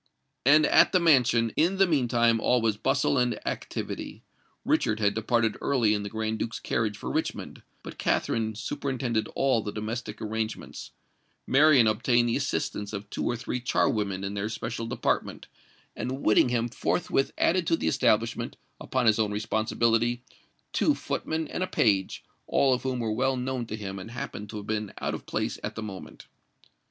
And at the mansion, in the meantime, all was bustle and activity. Richard had departed early in the Grand Duke's carriage for Richmond; but Katherine superintended all the domestic arrangements; Marian obtained the assistance of two or three char women in her special department; and Whittingham forthwith added to the establishment, upon his own responsibility, two footmen and a page, all of whom were well known to him and happened to have been out of place at the moment.